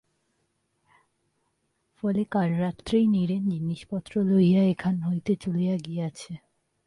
ফলে কাল রাত্রেই নীরেন জিনিসপত্র লইয়া এখান হইতে চলিয়া গিয়াছে।